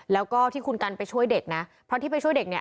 แล้วก็ที่คุณกันไปช่วยเด็กนะเพราะที่ไปช่วยเด็กเนี่ย